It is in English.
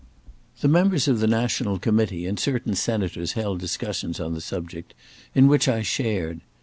The members of the National Committee and certain senators held discussions on the subject, in which I shared.